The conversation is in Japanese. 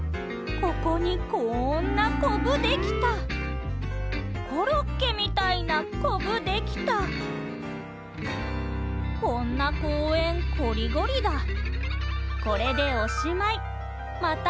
ここにこんなこぶできたコロッケみたいなこぶできたこんな公園こりごりだ